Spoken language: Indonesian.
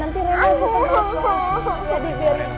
aku mau sama mama